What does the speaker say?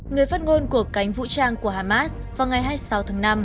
người phát ngôn của cánh vũ trang của hamas vào ngày hai mươi sáu tháng năm